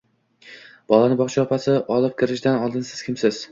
Bolani bog`cha opasi olib kirishdan oldin, Siz kimsiz